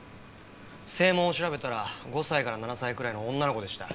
声紋を調べたら５歳から７歳くらいの女の子でした。